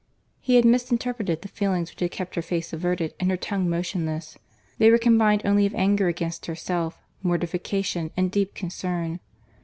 He had misinterpreted the feelings which had kept her face averted, and her tongue motionless. They were combined only of anger against herself, mortification, and deep concern.